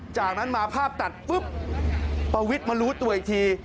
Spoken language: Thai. จากนั้นมาภาพตัดปุ๊บประวิทย์มารู้ตัวอีกที